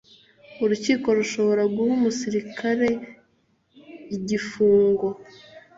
urukiko rushobora guha umusirikare igifungo